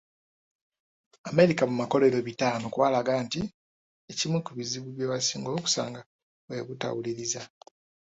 America mu makolero bitaano kwalaga nti ekimu ku bizibu bye basinga okusanga bwe butawuliriza.